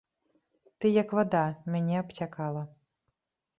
Ты, як вада, мяне абцякала.